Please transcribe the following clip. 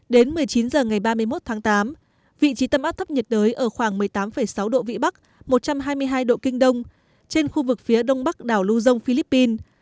đến một mươi chín h ngày ba mươi một tháng tám vị trí tâm áp thấp nhiệt đới ở khoảng một mươi tám sáu độ vĩ bắc một trăm hai mươi hai độ kinh đông trên khu vực phía đông bắc đảo luzon philippines